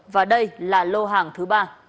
và đây là lô hàng thứ ba